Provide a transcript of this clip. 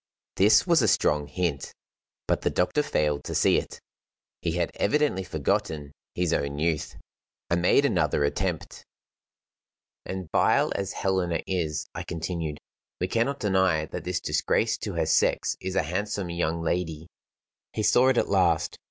This was a strong hint, but the doctor failed to see it. He had evidently forgotten his own youth. I made another attempt. "And vile as Helena is," I continued, "we cannot deny that this disgrace to her sex is a handsome young lady." He saw it at last.